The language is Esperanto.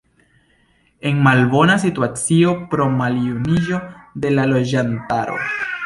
En malbona situacio pro maljuniĝo de la loĝantaro.